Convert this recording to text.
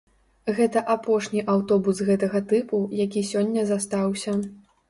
Гэта апошні аўтобус гэтага тыпу, які сёння застаўся.